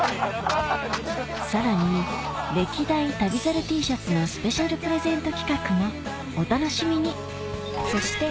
さらに歴代旅猿Ｔシャツのスペシャルプレゼント企画もお楽しみにそして